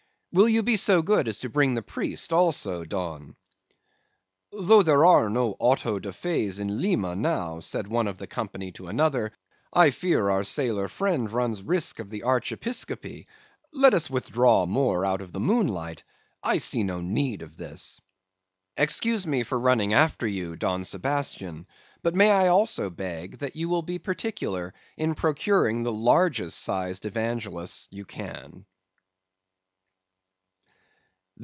"'Will you be so good as to bring the priest also, Don?' "'Though there are no Auto da Fés in Lima now,' said one of the company to another; 'I fear our sailor friend runs risk of the archiepiscopacy. Let us withdraw more out of the moonlight. I see no need of this.' "'Excuse me for running after you, Don Sebastian; but may I also beg that you will be particular in procuring the largest sized Evangelists you can.